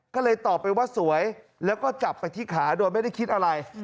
ก็เลยตอบไปว่าสวยแล้วก็จับไปที่ขาโดยไม่ได้คิดอะไร